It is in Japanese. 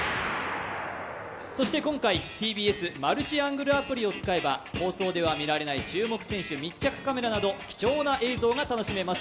そして今回、ＴＢＳマルチアングルアプリを使えば放送では見られない注目選手密着カメラなど、貴重な映像が楽しめます。